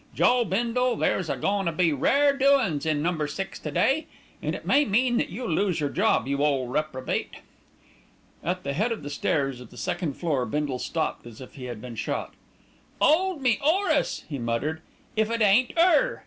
"Joe Bindle, there's a goin' to be rare doin's in Number Six to day, and it may mean that you'll lose your job, you ole reprobate." At the head of the stairs of the second floor Bindle stopped as if he had been shot. "'Old me, 'Orace!" he muttered. "If it ain't 'er!"